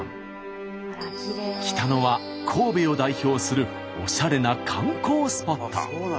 北野は神戸を代表するおしゃれな観光スポット。